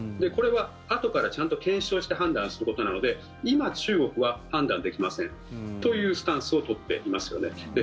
これはあとからちゃんと検証して判断することなので今、中国は判断できませんというスタンスを取っていますよね。